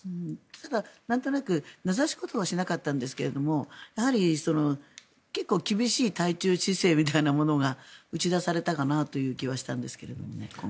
ただ、なんとなく名指しこそはしなかったんですがやはり、結構厳しい対中姿勢みたいなものが打ち出されたかなという気はしたんですけれどもね。